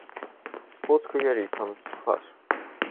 Sport clearly comes first.